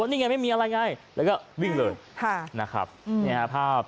นี่ไงไม่มีอะไรไงแล้วก็วิ่งเลยค่ะนะครับเนี่ยภาพ